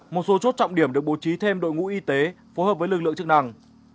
một số chốt trọng điểm được bố trí thêm đội ngũ y tế phối hợp với lực lượng chức năng